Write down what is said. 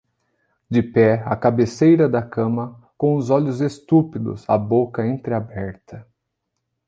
De pé, à cabeceira da cama, com os olhos estúpidos, a boca entreaberta